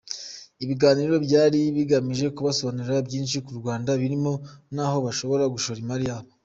Ibiganiro byari bigamije kubasobanurira byinshi ku Rwanda birimo na ho bashobora gushora imari yabo.